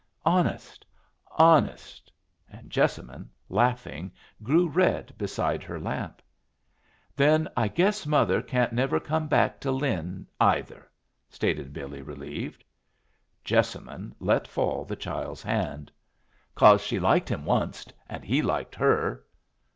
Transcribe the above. "Honest! Honest!" And Jessamine, laughing, grew red beside her lamp. "Then I guess mother can't never come back to Lin, either," stated Billy, relieved. Jessamine let fall the child's hand. "Cause she liked him onced, and he liked her."